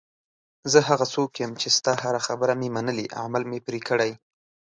زه هغه څوک یم چې ستا هره خبره مې منلې، عمل مې پرې کړی.